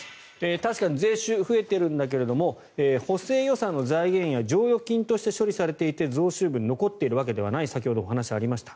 確かに税収、増えてるんだけど補正予算の財源や剰余金として処理されていて増収分が残っているわけではない先ほどお話がありました。